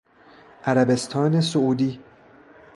عربستان سعودی